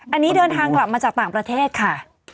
อันนี้เดินทางกลับมาจากต่างประเทศค่ะ